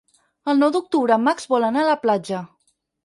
El nou d'octubre en Max vol anar a la platja.